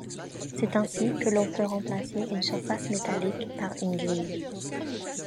C'est ainsi que l'on peut remplacer une surface métallique par une grille.